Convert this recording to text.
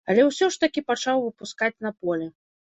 Але ўсё ж такі пачаў выпускаць на поле.